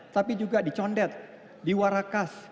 tapi juga di condet di warakas